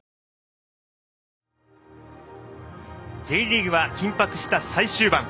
Ｊリーグは緊迫した最終盤。